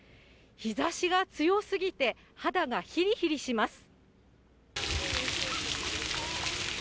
日ざしが強すぎて、肌がひりひりします。